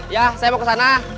ya saya mau kesana